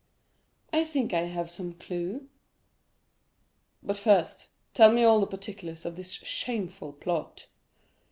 "I think I have some clew." "But first tell me all the particulars of this shameful plot."